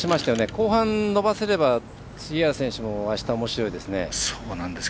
後半、伸ばせれば杉原選手もあした、おもしろいですね。